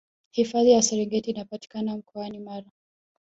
hifadhi ya serengeti inapatikana mkoani mara